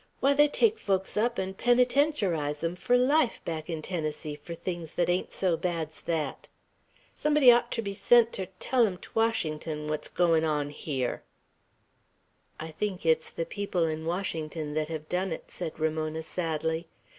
"Why, they take folks up, n'n penetentiarize 'em fur life, back 'n Tennessee, fur things thet ain't so bad's thet! Somebody ought ter be sent ter tell 'em 't Washington what's goin' on hyar." "I think it's the people in Washington that have done it," said Ramona, sadly.